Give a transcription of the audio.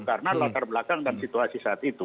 karena latar belakang dan situasi saat itu